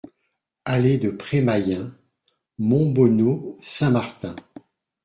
Allée de Pré Mayen, Montbonnot-Saint-Martin